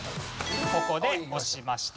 ここで押しました。